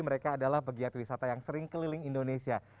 mereka adalah pegiat wisata yang sering keliling indonesia